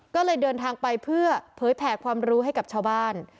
ก็เลยเดินทางไปเพื่อเผยแผ่ความรู้ให้กับชาวบ้าน